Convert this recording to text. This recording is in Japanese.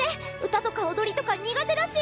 歌とか踊りとか苦手だし。